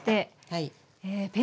はい。